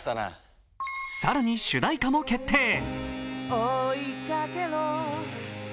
更に主題歌も決定。